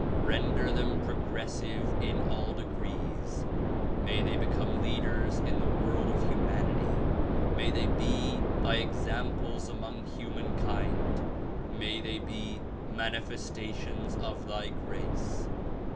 Render them progressive in all degrees. May they become leaders in the world of humanity. INIay they be thy examples among humankind. May they be manifestations of thy grace.